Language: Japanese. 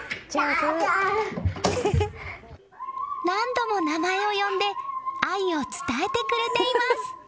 何度も名前を呼んで愛を伝えてくれています。